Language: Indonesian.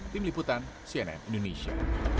tim liputan cnn indonesia